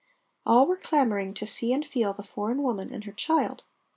All were clamoring to see and feel the foreign woman and her child.